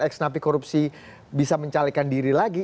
eksnafi korupsi bisa mencalekkan diri lagi